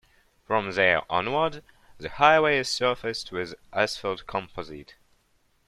From there onwards, the highway is surfaced with asphalt composite.